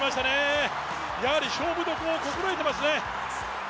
やはり勝負どころを心得てますね。